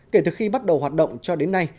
kể từ khi bắt đầu hoạt động cho đến nay